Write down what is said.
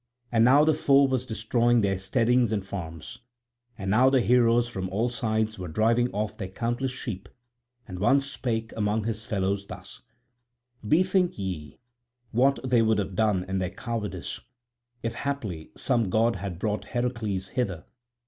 And now the foe was destroying their steadings and farms, and now the heroes from all sides were driving off their countless sheep, and one spake among his fellows thus: "Bethink ye what they would have done in their cowardice if haply some god had brought Heracles hither.